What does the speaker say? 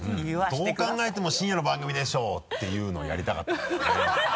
「どう考えても深夜の番組でしょ」っていうのをやりたかったんだよね。